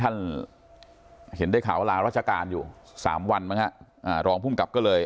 ท่านเห็นได้ข่าวว่าลาราชการอยู่สามวันมั้งฮะอ่ารองภูมิกับก็เลย